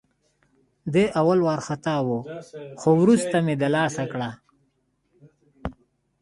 دی اول وارخطا وه، خو وروسته مې دلاسا کړه.